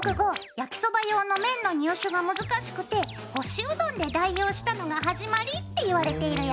焼きそば用の麺の入手が難しくて干しうどんで代用したのが始まりっていわれているよ！